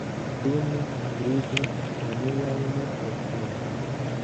Dume skribu neniajn detalojn.